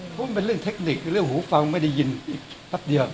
เพราะมันเป็นเรื่องเทคนิคคือเรื่องหูฟังไม่ได้ยินอีกแป๊บเดียว